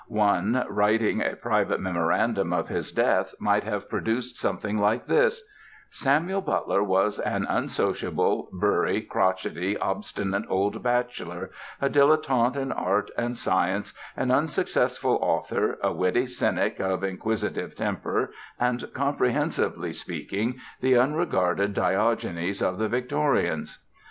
One writing a private memorandum of his death might have produced something like this: Samuel Butler was an unsociable, burry, crotchety, obstinate old bachelor, a dilettante in art and science, an unsuccessful author, a witty cynic of inquisitive temper and, comprehensively speaking, the unregarded Diogenes of the Victorians.